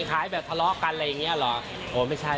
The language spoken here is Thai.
คล้ายแบบทะเลาะกันอะไรอย่างนี้เหรอ